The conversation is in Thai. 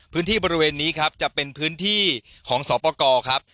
พื้นที่บริเวณนี้ครับจะเป็นพื้นที่ของสอปกรครับ